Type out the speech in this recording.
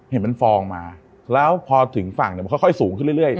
เห็นเป็นฟองมาแล้วพอถึงฝั่งเนี่ยมันค่อยสูงขึ้นเรื่อย